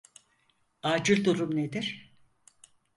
Acil durum nedir?